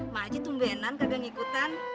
ma aja tumbenan kagak ngikutan